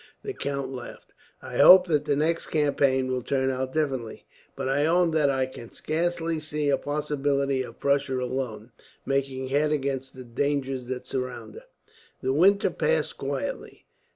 The count laughed. "I hope that the next campaign will turn out differently; but I own that I can scarce see a possibility of Prussia, alone, making head against the dangers that surround her." The winter passed quietly.